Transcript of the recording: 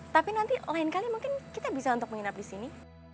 tapi nanti lain kali mungkin kita bisa untuk menginap di sini